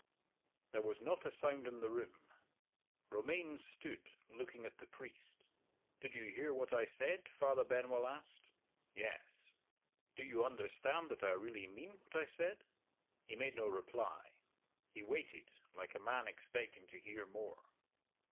THERE was not a sound in the room. Romayne stood, looking at the priest "Did you hear what I said?" Father Benwell asked. "Yes." "Do you understand that I really mean what I said?" He made no reply he waited, like a man expecting to hear more.